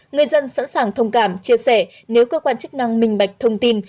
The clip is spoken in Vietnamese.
người dân sẵn sàng thông cảm chia sẻ nếu cơ quan chức năng minh bạch thông tin